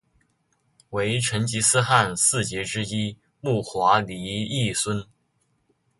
为成吉思汗四杰之一木华黎裔孙。